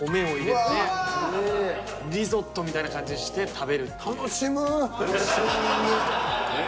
リゾットみたいな感じにして食べるっていう。